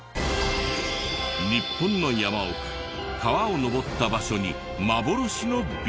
日本の山奥川を上った場所に幻のビーチが。